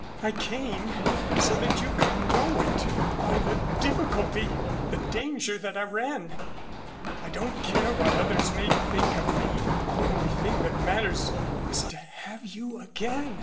I came so that you could know it by the difficulty, the danger that I ran. I don't care what others may think of me. The only thing that matters is to have you again.